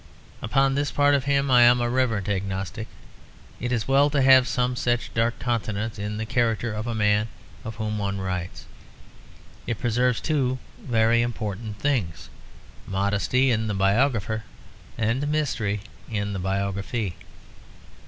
Upon this part of him I am a reverent agnostic; it is well to have some such dark continent in the character of a man of whom one writes. It preserves two very important things modesty in the biographer and mystery in the biography.